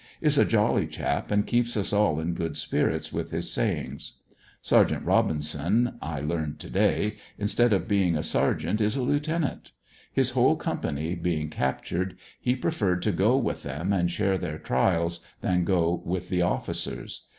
Is a jolly chap and keeps us all in good spirits with his sayings. Sergt. Robinson, I learned to day, instead of being a ser geant is a lieutenant. His whole company being captured, he pre ferred to go with them and share their trials, than go with the offi cers.